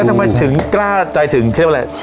แล้วทำไมถึงกล้าใจถึงเชื่อว่าอะไรใช่